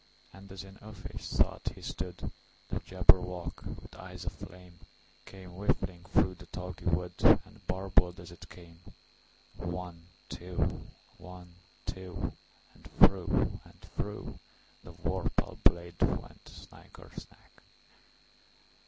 And as in uffish thought he stood, The Jabberwock, with eyes of flame, Came whiffling through the tulgey wood, And burbled as it came! One, two! One, two! And through and throughThe vorpal blade went snicker snack!